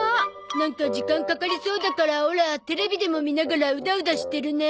なんか時間かかりそうだからオラテレビでも見ながらウダウダしてるね。